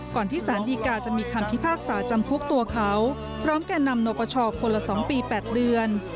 ที่สารดีกาจะมีคำพิพากษาจำคุกตัวเขาพร้อมแก่นำนปชคนละ๒ปี๘เดือน